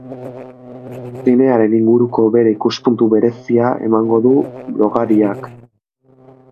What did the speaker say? Zinearen inguruko bere ikuspuntu berezia emango du blogariak.